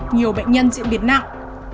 nhiều bệnh nhân diễn biến nặng